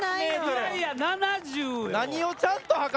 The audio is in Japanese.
いやいや７０よ。